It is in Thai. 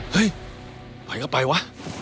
เฮ้ยไปก็ไปวะ